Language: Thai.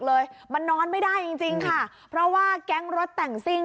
เลยมันนอนไม่ได้จริงจริงค่ะเพราะว่าแก๊งรถแต่งซิ่ง